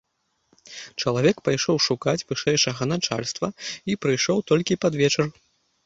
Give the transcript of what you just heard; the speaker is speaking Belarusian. Чалавек пайшоў шукаць вышэйшага начальства і прыйшоў толькі пад вечар.